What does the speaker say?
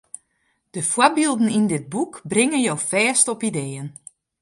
De foarbylden yn dit boek bringe jo fêst op ideeën.